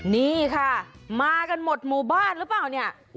นี่ค่ะมากันหมดหมู่บ้านหรือเปล่าเนี่ย